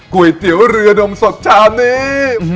ก๋วยเตี๋ยวเรือนมสดจานนี้